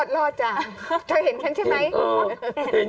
รอดจ้ะเธอเห็นฉันใช่ไหม